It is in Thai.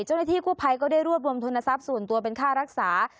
เจ้าหน้าที่กู้ภัยก็ได้รวบรวมทุนทรัพย์ส่วนตัวเป็นค่ารักษา